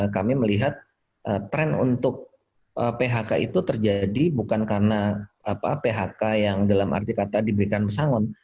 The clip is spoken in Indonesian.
kami melihat tren untuk phk itu terjadi bukan karena phk yang dalam arti kata diberikan pesangon